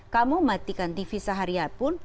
kamu matikan tv seharian pun